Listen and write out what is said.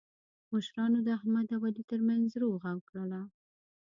مشرانو د احمد او علي ترمنځ روغه وکړله.